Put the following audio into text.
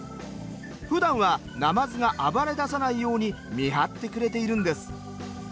ふだんはなまずが暴れださないように見張ってくれているんです。